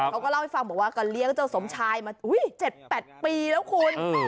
เขาก็เล่าให้ฟังบอกว่าก็เลี้ยงเจ้าสมชายมา๗๘ปีแล้วคุณ